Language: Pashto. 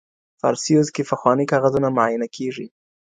په ارسیوز کې پخواني کاغذونه معاینه کیږي.